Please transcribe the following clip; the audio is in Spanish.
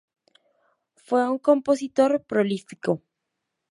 Fue un compositor prolífico.